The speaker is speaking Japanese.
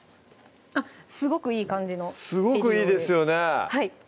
すごくいい感じのすごくいいですよね